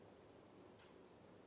kemudian untuk pengawas dan pengurusan